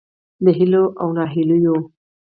د هیلو او نهیلیو